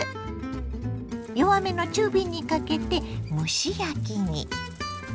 弱めの中火にかけて蒸し焼きに。